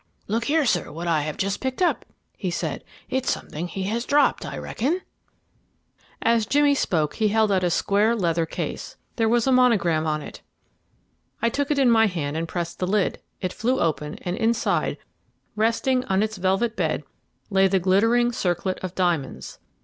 "Look here, sir, what I have just picked up," he said; "it's something he has dropped, I reckon." As Jimmy spoke he held out a square leather case: there was a monogram on it. I took it in my hand and pressed the lid; it flew open, and inside, resting on its velvet bed, lay the glittering circlet of diamonds.